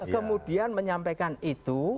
kemudian menyampaikan itu